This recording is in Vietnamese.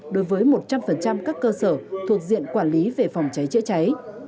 đối với một trăm linh các cơ sở thuộc diện quản lý về phòng cháy chữa cháy